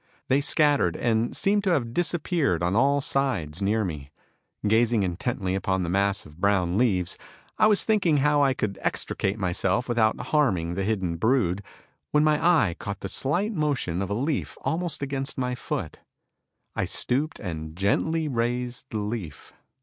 They scattered and seemed to have disappeared on all sides near me. Gazing intently upon the mass of brown leaves, I was thinking how I could extricate myself without harming the hidden brood, when my eye caught the slight motion of a leaf almost against my foot. I stooped and gently raised the leaf.